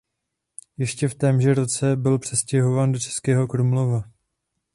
Ještě v témže roce byl přestěhován do Českého Krumlova.